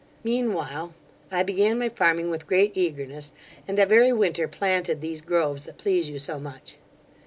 Mean while I began my farming with great eagerness, and that very winter planted these groves that please you so much.